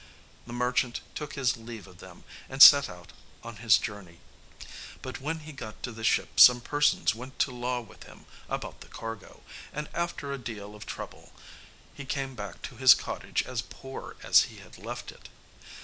The merchant took his leave of them, and set out on his journey; but when he got to the ship some persons went to law with him about the cargo, and after a deal of trouble he came back to his cottage as poor as he had left it.